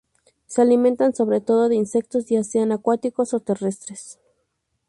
Se alimentan sobre todo de insectos ya sean acuáticos o terrestres.